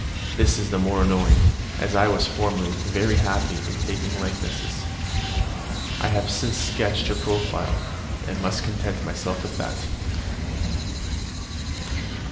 This is the more annoying, as I was formerly very happy in taking likenesses. I have since sketched her profile, and must content myself with that.